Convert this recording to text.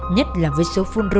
nhất là với số phun rô